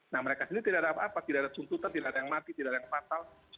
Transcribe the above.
nah mereka sendiri tidak ada apa apa tidak ada tuntutan tidak ada yang mati tidak ada yang fatal